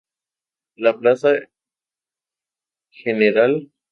La Plaza Gral.